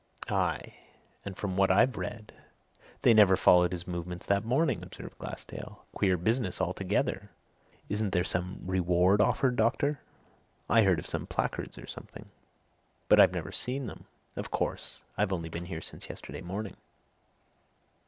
"Aye, and from what I read, they never followed his movements that morning!" observed Glassdale. "Queer business altogether! Isn't there some reward offered, doctor? I heard of some placards or something, but I've never seen them; of course, I've only been here since yesterday morning."